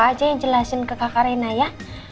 apa aja yang jelasin ke kakak reina ya